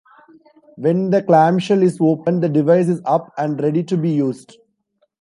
When the clamshell is open, the device is up and ready to be used.